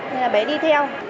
nên là bé đi theo